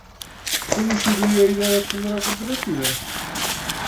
Como xurdiu a idea de fundar a cooperativa?